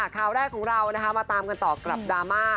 ข่าวแรกของเรานะคะมาตามกันต่อกับดราม่า